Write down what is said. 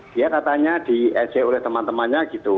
dia katanya di edit oleh teman temannya gitu